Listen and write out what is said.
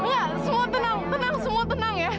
ya semua tenang tenang semua tenang ya